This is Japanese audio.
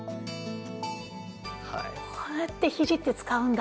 こうやってひじって使うんだ。